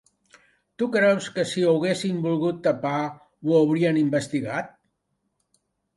Tu creus que si ho haguessin volgut tapar ho haurien investigat?